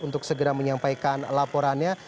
untuk segera menyampaikan laporannya